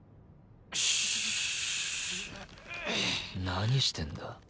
何してんだ？